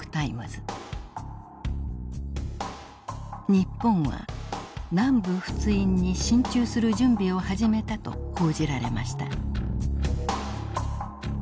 日本は南部仏印に進駐する準備を始めたと報じられました。